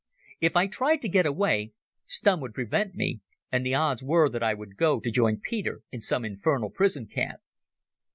If I tried to get away Stumm would prevent me, and the odds were that I would go to join Peter in some infernal prison camp.